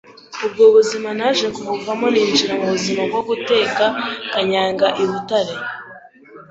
Ubwo buzima naje kubuvamo, ninjira mu buzima bwo guteka kanyanga i Butare.